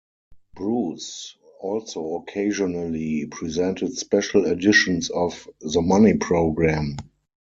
Bruce also occasionally presented special editions of "The Money Programme".